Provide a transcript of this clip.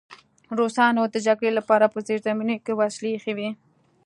روسانو د جګړې لپاره په زیرزمینیو کې وسلې ایښې وې